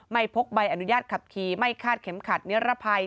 พกใบอนุญาตขับขี่ไม่คาดเข็มขัดนิรภัย